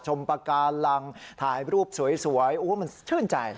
ปากการังถ่ายรูปสวยโอ้โหมันชื่นใจ